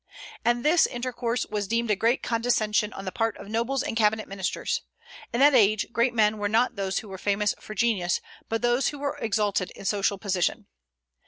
And this intercourse was deemed a great condescension on the part of nobles and cabinet ministers. In that age great men were not those who were famous for genius, but those who were exalted in social position.